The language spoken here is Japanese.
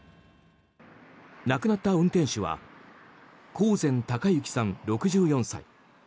亡くなった運転手は興膳孝幸さん、６４歳。